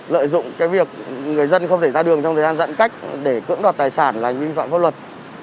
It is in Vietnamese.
lợi dụng cái việc người dân không thể ra đường trong thời gian giãn cách để cưỡng đoạt tài sản là vi phạm pháp luật